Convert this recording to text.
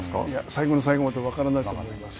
最後の最後まで分からないと思います。